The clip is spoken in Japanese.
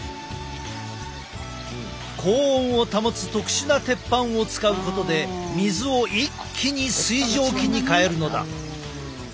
高温を保つ特殊な鉄板を使うことで水を一気に水蒸気に変えるのだ。